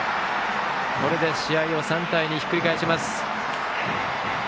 これで試合を３対２ひっくり返します。